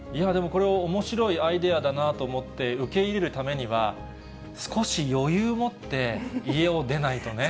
これ、おもしろいアイデアだなと思って、受け入れるためには、少し余裕を持って家そうですね。